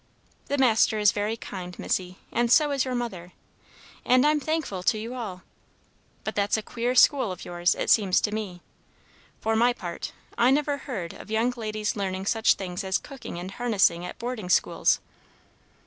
"The master is very kind, Missy; and so is your mother; and I'm thankful to you all. But that's a queer school of yours, it seems to me. For my part, I never heard of young ladies learning such things as cooking and harnessing at boarding schools."